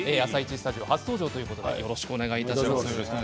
スタジオ初登場ということでよろしくお願いします。